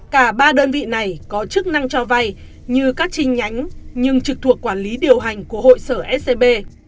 cả ba đơn vị này có chức năng cho vay như các chi nhánh nhưng trực thuộc quản lý điều hành của hội sở scb